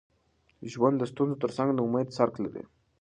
ژوند د ستونزو تر څنګ د امید څرک لري.